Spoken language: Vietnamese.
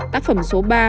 tác phẩm số ba